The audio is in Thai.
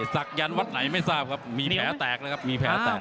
สักยันวัดไหนไม่ทราบครับมีแผลแตก